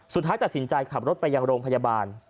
สุดท้ายตัดสินใจขับรถไปยังโรงพยาบาล